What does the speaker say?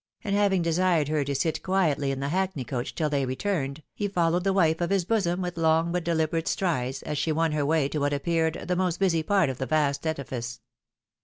" and having desired her to sit quietly in the hackney coach till they returned, he followed the wife of his bosom with long but deliberate strides, as she won her way to what appeared the most busy part of the vast edifice.